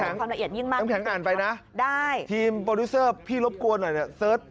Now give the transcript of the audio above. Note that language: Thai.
น้ำแข็งน้ำแข็งอ่านไปนะทีมโปรดิวเซอร์พี่รบกวนหน่อย